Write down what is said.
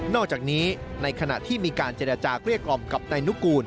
อกจากนี้ในขณะที่มีการเจรจาเกลี้ยกล่อมกับนายนุกูล